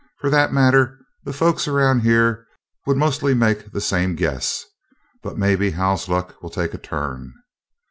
"For that matter, the folks around here would mostly make the same guess. But maybe Hal's luck will take a turn."